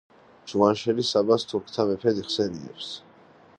ჯუანშერი საბას „თურქთა მეფედ“ იხსენიებს.